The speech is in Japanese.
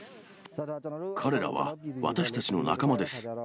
彼らは私たちの仲間です。